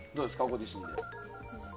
ご自身で。